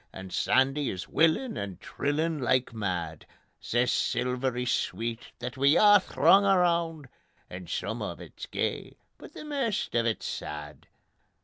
And Sandy is willin' and trillin' like mad; Sae silvery sweet that we a' throng aroun', And some o' it's gay, but the maist o' it's sad.